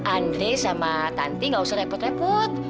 andri sama tanti gak usah repot repot